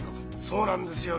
そうなんですよ。